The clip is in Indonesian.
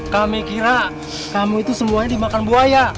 kami kira kamu itu semuanya dimakan buaya